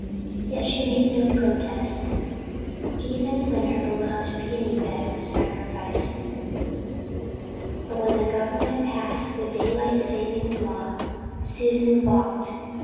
Yet she made no protest, even when her beloved peony bed was sacrificed. But when the Government passed the Daylight Saving law Susan balked.